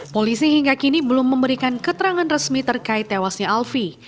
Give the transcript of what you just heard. polisi hingga kini belum memberikan keterangan resmi terkait tewasnya alfi